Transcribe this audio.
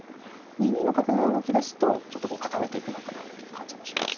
２二の角が動きだすとちょっとこう固めていくのかなっていう感じもします